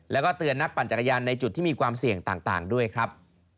แล้วก็เตือนนักปั่นจักรยานในจุดที่มีความเสี่ยงต่างด้วยครับ